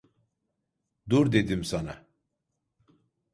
Dur dedim sana!